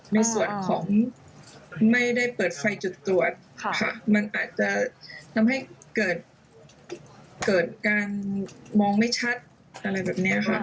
ในส่วนของไม่ได้เปิดไฟจุดตรวจค่ะมันอาจจะทำให้เกิดการมองไม่ชัดอะไรแบบนี้ค่ะ